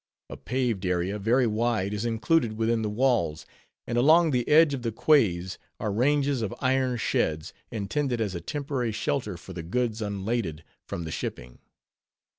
A paved area, very wide, is included within the walls; and along the edge of the quays are ranges of iron sheds, intended as a temporary shelter for the goods unladed from the shipping.